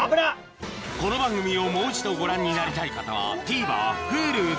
この番組をもう一度ご覧になりたい方はＴＶｅｒＨｕｌｕで